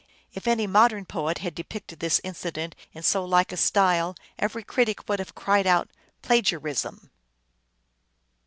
If any modern poet had depicted this incident in so like a style, every critic would have cried out plagiarism